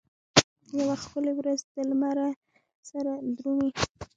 یوه ښکلې ورځ دلمره سره درومي